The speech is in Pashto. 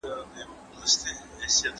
زه به سبا د ليکلو تمرين وکړم!